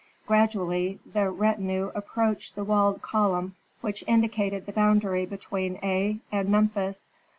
Gradually the retinue approached the walled column which indicated the boundary between Aa and Memphis.